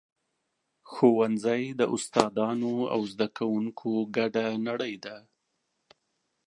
ښوونځی د استادانو او زده کوونکو ګډه نړۍ ده.